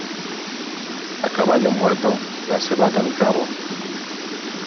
A caballo muerto, la cebada al rabo.